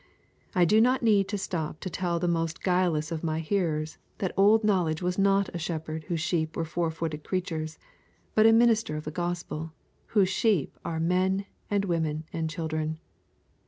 I do not need to stop to tell the most guileless of my hearers that old Knowledge was not a shepherd whose sheep were four footed creatures, but a minister of the gospel, whose sheep are men, women, and children.